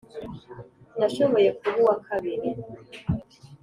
Nashoboye kuba uwa kabiri